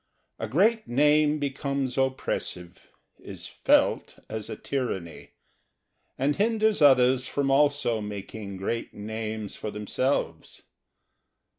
A great name becomes oppressive, is felt as a tyranny, and hinders others from also making great names for themselves.